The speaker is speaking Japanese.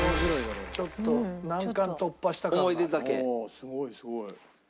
すごいすごい。